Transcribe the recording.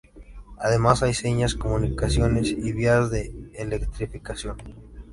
Además, hay señales, comunicaciones y vías de electrificación.